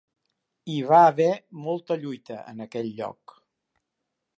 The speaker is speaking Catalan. Hi va haver molta lluita en aquell lloc.